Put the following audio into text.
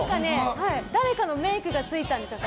誰かのメイクがついたんじゃないか。